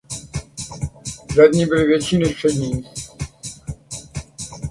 Zadní byly větší než přední.